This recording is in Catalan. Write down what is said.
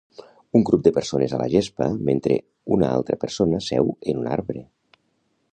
Un grup de persones a la gespa mentre una altra persona seu en un arbre.